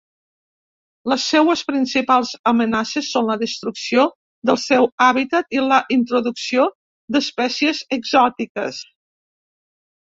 Les seues principals amenaces són la destrucció del seu hàbitat i la introducció d'espècies exòtiques.